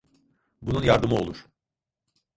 Bunun yardımı olur.